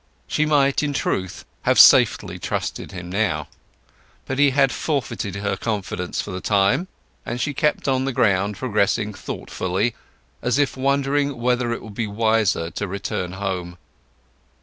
She might in truth have safely trusted him now; but he had forfeited her confidence for the time, and she kept on the ground progressing thoughtfully, as if wondering whether it would be wiser to return home.